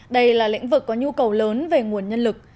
đây là lĩnh vực có nhu cầu lớn về nguồn nhân lực